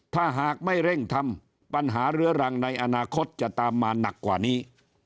ถ้าหากไม่เร่งทำปัญหาเรื้อรังในอนาคตจะตามมาหนักกว่านี้